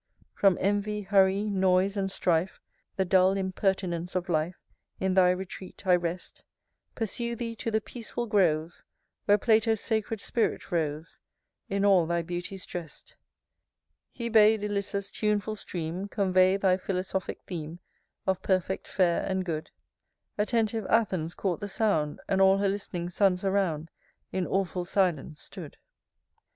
X. From envy, hurry, noise, and strife, The dull impertinence of life, In thy retreat I rest: Pursue thee to the peaceful groves, Where Plato's sacred spirit roves, In all thy beauties drest. XI. He bad Ilyssus' tuneful stream Convey thy philosophic theme Of perfect, fair, and good: Attentive Athens caught the sound, And all her list'ning sons around In awful silence stood.